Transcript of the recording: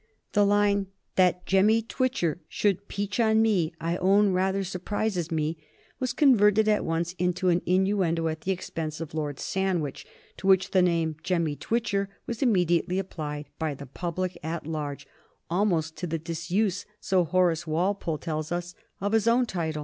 The line "That Jemmy Twitcher should peach on me I own rather surprises me" was converted at once into an innuendo at the expense of Lord Sandwich, to whom the name Jemmy Twitcher was immediately applied by the public at large, almost to the disuse, so Horace Walpole tells us, of his own title.